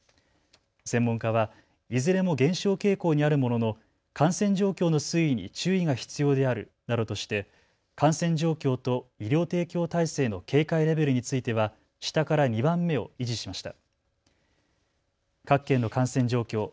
専門家は、いずれも減少傾向にあるものの感染状況の推移に注意が必要であるなどとして感染状況と医療提供体制の警戒レベルについては下から２番目を維持しました。